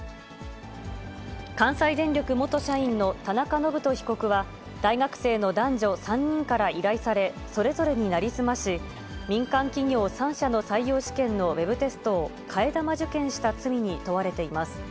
関西電力元社員の田中信人被告は、大学生の男女３人から依頼され、それぞれに成り済まし、民間企業３社の採用試験のウェブテストを替え玉受験した罪に問われています。